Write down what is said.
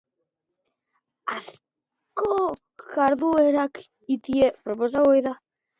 Askotariko jarduerak egitea proposatu ohi da.